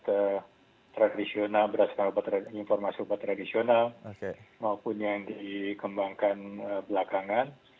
berdasarkan informasi obat tradisional maupun yang dikembangkan belakangan